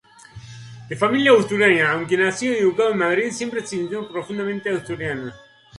De familia asturiana, aunque nacido y educado en Madrid, siempre se sintió profundamente asturiano.